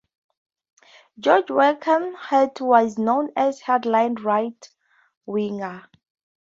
George Wackenhut was known as a hard-line right-winger.